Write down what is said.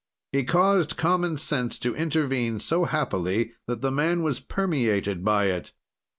"He caused common sense to intervene so happily that the man was permeated by it.